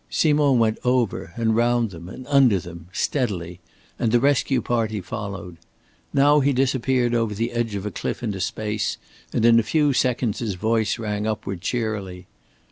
Simond went over and round them and under them, steadily, and the rescue party followed. Now he disappeared over the edge of a cliff into space, and in a few seconds his voice rang upward cheerily.